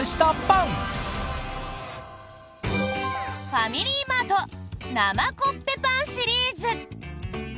ファミリーマート生コッペパンシリーズ。